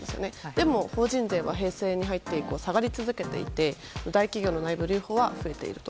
でも、法人税は平成に入って以降下がり続けていて大企業の内部留保は増えていると。